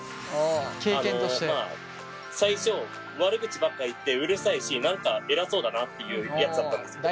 最初悪口ばっか言ってうるさいし何か偉そうだなっていうやつだったんですけど。